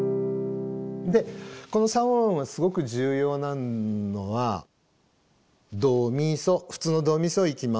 でこの三和音がすごく重要なのはドミソ普通のドミソいきます。